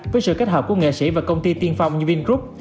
với sự kết hợp của nghệ sĩ và công ty tiên phong như vingroup